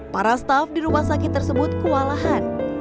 para staf di rumah sakit tersebut kewalahan